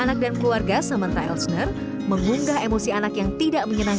adagam hai menggunakan